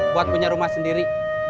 buat punya rumah sendiri